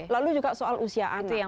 lalu juga soal usia anak